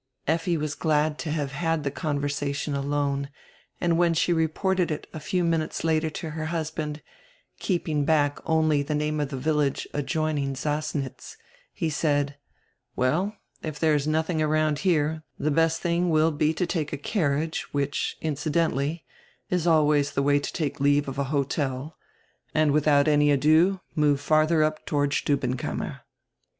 Effi was glad to have had die conversation alone and when she reported it a few moments later to her husband, keep ing back only die name of die village adjoining Sassnitz, he said: "Well, if there is nothing around here die best diing will be to take a carriage, which, incidentally, is always die way to take leave of a hotel, and widiout any ado move fardier up toward Stubbenkammer.